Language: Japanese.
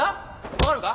分かるか？